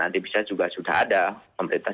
nanti bisa juga sudah ada pemerintah